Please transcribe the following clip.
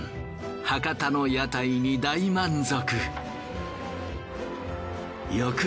博多の屋台に大満足。